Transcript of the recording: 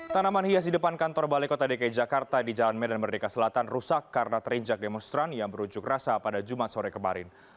tanaman hias di depan kantor balai kota dki jakarta di jalan medan merdeka selatan rusak karena terinjak demonstran yang berunjuk rasa pada jumat sore kemarin